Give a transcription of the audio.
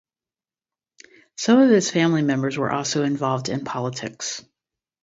Some of his family members were also involved in politics.